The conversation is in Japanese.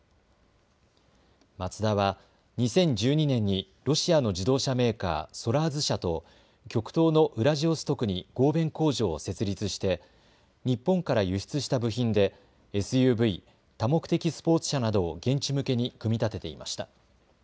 マツダは２０１２年にロシアの自動車メーカー、ソラーズ社と極東のウラジオストクに合弁工場を設立して、日本から輸出した部品でＳＵＶ・多目的スポーツ車などを現地向けに組み立てていました。